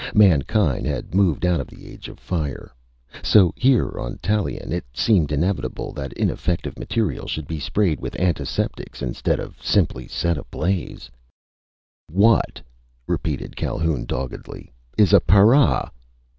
Mankind had moved out of the age of fire. So here on Tallien it seemed inevitable that infective material should be sprayed with antiseptics instead of simply set ablaze. "What," repeated Calhoun doggedly, "is a para?"